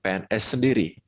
pernahkah pns sendiri